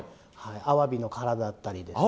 アワビの殻だったりですね。